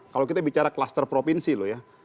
kalau kita bicara kluster provinsi loh ya